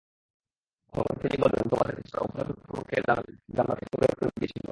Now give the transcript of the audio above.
তখন তিনি বলবেন, তোমাদের পিতার অপরাধই তো তোমাদেরকে জান্নাত থেকে বের করে দিয়েছিল!